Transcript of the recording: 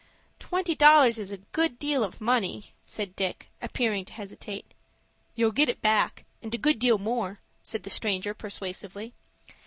"Twenty dollars is a good deal of money," said Dick, appearing to hesitate. "You'll get it back, and a good deal more," said the stranger, persuasively.